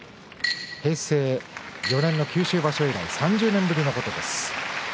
平成４年の九州場所以来３０年ぶりのことです。